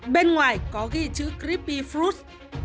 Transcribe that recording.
bên ngoài có ghi chữ creepy fruit